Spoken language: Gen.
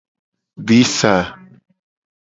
Di sa.